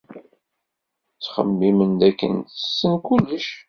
Tettxemmim dakken tessen kullec.